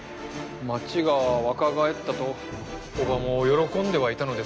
町が若返ったと叔母も喜んではいたのですが。